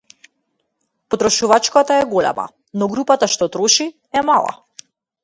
Потрошувачката е голема, но групата што троши е мала.